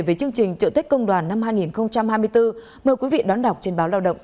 về chương trình trợ tết công đoàn năm hai nghìn hai mươi bốn mời quý vị đón đọc trên báo lao động